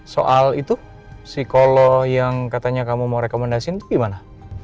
soal itu psikolog yang katanya kamu mau rekomendasiin itu gimana